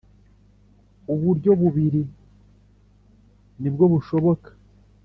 Uburyo bubiri nibwobushoboka.